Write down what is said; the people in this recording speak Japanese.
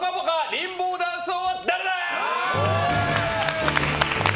リンボーダンス王は誰だ！？